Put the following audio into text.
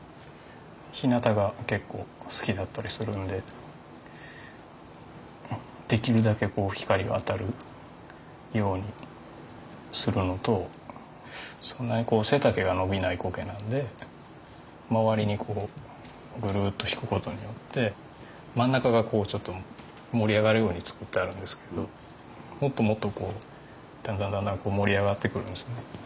ひなたが結構好きだったりするんでできるだけ光が当たるようにするのとそんなに背丈が伸びないコケなんで周りにぐるっと敷く事によって真ん中がちょっと盛り上がるように作ってあるんですけどもっともっとだんだんだんだん盛り上がってくるんですよね。